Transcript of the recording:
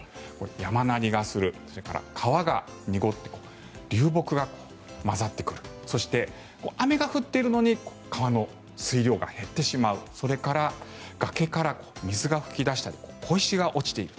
山鳴りがする川が濁って流木が混ざってくるそして、雨が降っているのに川の水量が減ってしまうそれから崖から水が噴き出したり小石が落ちている。